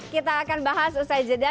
kita akan bahas usai jeda